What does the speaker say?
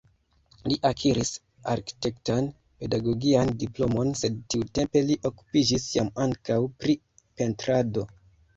Li akiris arkitektan-pedagogian diplomon, sed tiutempe li okupiĝis jam ankaŭ pri pentrado.